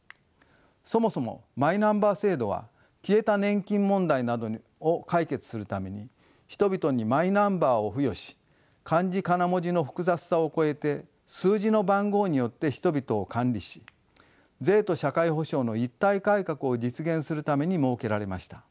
そもそもマイナンバー制度は消えた年金問題などを解決するために人々にマイナンバーを付与し漢字カナ文字の複雑さを超えて数字の番号によって人々を管理し「税と社会保障の一体改革」を実現するために設けられました。